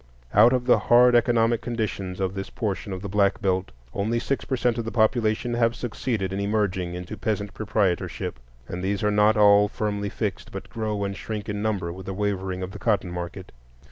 Out of the hard economic conditions of this portion of the Black Belt, only six per cent of the population have succeeded in emerging into peasant proprietorship; and these are not all firmly fixed, but grow and shrink in number with the wavering of the cotton market.